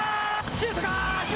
シュートだ！